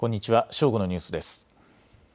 正午のニュースです。